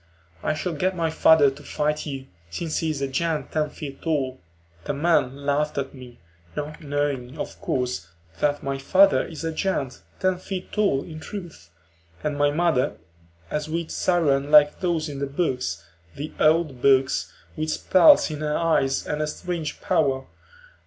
"I shall get my father to fight you, since he is a giant ten feet tall." The men laughed at me, not knowing, of course, that my father is a giant ten feet tall in truth, and my mother a sweet siren like those in the books, the old books, with spells in her eyes and a strange power.